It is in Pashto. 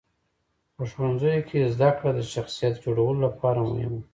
په ښوونځیو کې زدهکړه د شخصیت جوړولو لپاره مهمه ده.